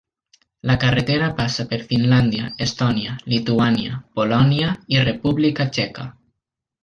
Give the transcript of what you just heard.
La carretera passa per Finlàndia, Estònia, Lituània, Polònia i República Txeca.